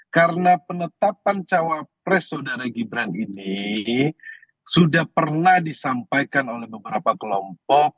karena penetapan cawapres saudara gibran ini sudah pernah disampaikan oleh beberapa kelompok